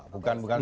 bukan seperti itu